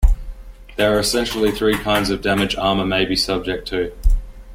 There are essentially three kinds of damage armor may be subject to.